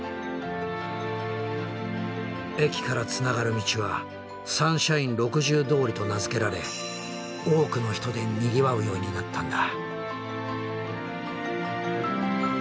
駅からつながる道はサンシャイン６０通りと名付けられ多くの人でにぎわうようになったんだ。